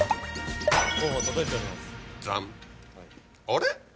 あれ？